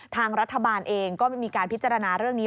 ทางรัฐบาลเองก็มีการพิจารณาเรื่องนี้